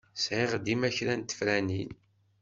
Sɛiɣ dima kra n tefranin.